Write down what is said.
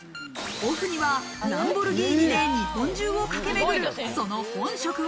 オフにはランボルギーニで日本中を駆け巡るその本職は？